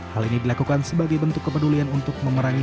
hal ini dilakukan sebagai bentuk kepedulian untuk memerangi